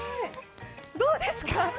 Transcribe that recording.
どうですか？